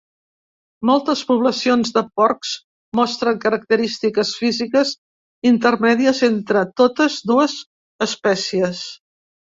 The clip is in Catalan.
Moltes poblacions de porcs mostren característiques físiques intermèdies entre totes dues espècies.